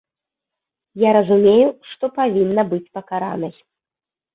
Я разумею, што павінна быць пакаранай.